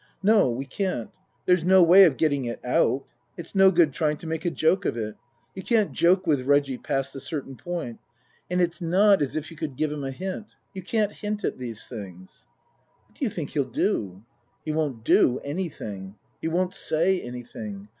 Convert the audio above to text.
" No, we can't. There's no way of getting it out. It's no good trying to make a joke of it. You can't joke with Reggie past a certain point. And it's not as if you could give him a hint. You can't hint at these things." " What do you think he'll do ?"" He won't do anything. He won't say anything.